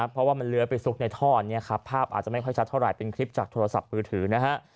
เพราะว่ามันเลื้อยไปซุกในท่อนี้ครับภาพอาจจะไม่ค่อยชัดเท่าไหร่เป็นคลิปจากโทรศัพท์มือถือนะฮะ